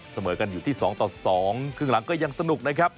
เสมอกันอยู่ที่๒ต่อ๒ครึ่งหลังก็ยังสนุกนะครับ